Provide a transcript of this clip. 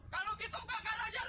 kalau gitu bakal ajar